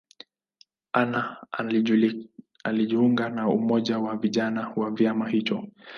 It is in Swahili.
Anna alijiunga na umoja wa vijana wa chama hicho.